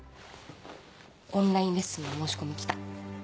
オンラインレッスンの申し込み来た。